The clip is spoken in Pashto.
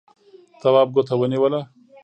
تواب ګوته ونيوله.